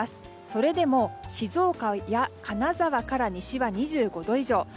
それでも、静岡や金沢から西は２５度以上。